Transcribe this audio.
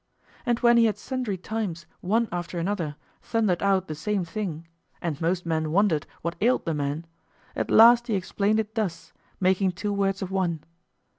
And when he had sundry times, one after another, thundered out the same thing, and most men wondered what ailed the man, at last he explained it thus, making two words of one.